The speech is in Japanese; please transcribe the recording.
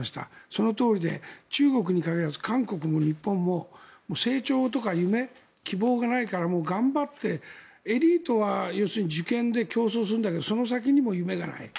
そのとおりで、中国に限らず韓国も日本成長とか夢、希望がないから頑張ってエリートは要するに受験で競争するんだけどその先にも夢がない。